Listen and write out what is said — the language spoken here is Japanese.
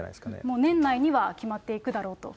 もう年内には決まっていくだろうと。